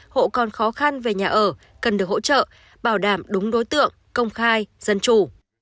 hộ còn khó khăn về nhà ở cần được hỗ trợ bảo đảm đúng đối tượng công khai dân chủ